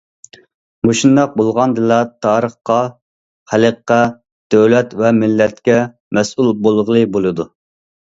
مۇشۇنداق بولغاندىلا تارىخقا، خەلققە، دۆلەت ۋە مىللەتكە مەسئۇل بولغىلى بولىدۇ.